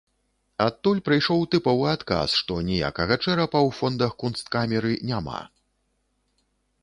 Адтуль прыйшоў тыповы адказ, што ніякага чэрапа ў фондах кунсткамеры няма.